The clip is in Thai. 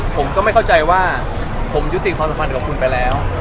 ผมก็ไม่เข้าใจว่าผมยุติความสัมพันธ์กับคุณไปแล้ว